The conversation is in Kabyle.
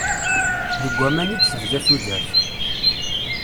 Deg waman i d-tebda tudert.